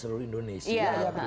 ya betul indonesia